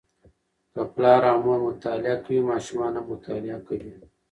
که پلار او مور مطالعه کوي، ماشومان هم مطالعه کوي.